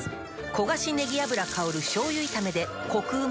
焦がしねぎ油香る醤油炒めでコクうま